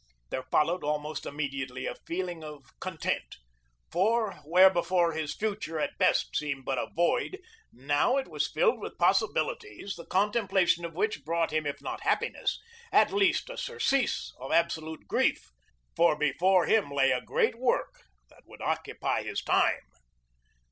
There followed almost immediately a feeling of content, for, where before his future at best seemed but a void, now it was filled with possibilities the contemplation of which brought him, if not happiness, at least a surcease of absolute grief, for before him lay a great work that would occupy his time.